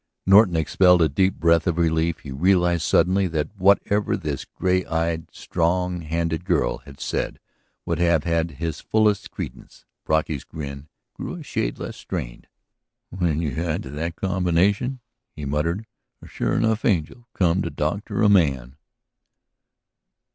Norton expelled a deep breath of relief; he realized suddenly that whatever this gray eyed, strong handed girl had said would have had his fullest credence. Brocky's grin grew a shade less strained. "When you add to that combination," he muttered, "a sure enough angel come to doctor a man.